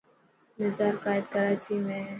مزار قائد ڪراچي ۾ هي.